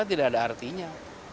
buka tidak ada artinya